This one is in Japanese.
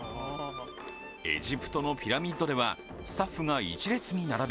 「エジプトのピラミッドではスタッフが１列に並び」